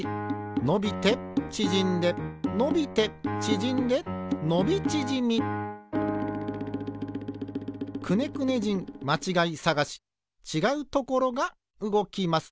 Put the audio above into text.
のびてちぢんでのびてちぢんでのびちぢみ「くねくね人まちがいさがし」ちがうところがうごきます。